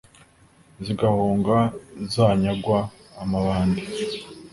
Zigahunga za nyagwa amabandi